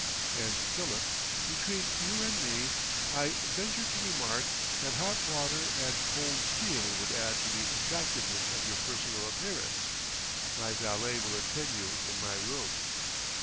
And Philip, between you and me, I venture to remark that hot water and cold steel would add to the attractiveness of your personal appearance; my valet will attend you in my room.